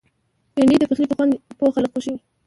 بېنډۍ د پخلي په خوند پوه خلک خوښوي